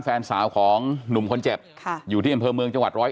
แฟนสาวของหนุ่มคนเจ็บค่ะอยู่ที่อำเภอเมืองจังหวัด๑๐๑